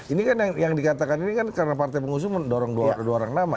ini kan yang dikatakan ini kan karena partai pengusung mendorong dua orang nama